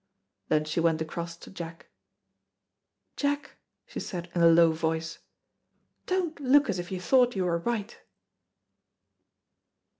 Then she went across to Jack. "Jack," she said, in a low voice, "don't look as if you thought you were right."